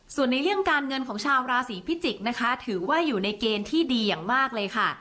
ส่วนในเรื่องการเงินของชาวราศีพิจิกษ์นะคะถือว่าอยู่ในเกณฑ์ที่ดีอย่างมากเลยค่ะ